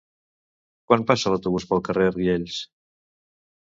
Quan passa l'autobús pel carrer Riells?